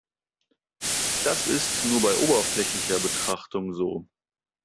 Das ist nur bei oberflächlicher Betrachtung so.